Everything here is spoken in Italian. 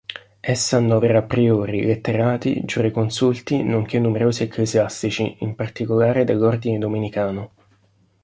Essa annovera priori, letterati, giureconsulti, nonché numerosi ecclesiastici, in particolare dell'ordine domenicano.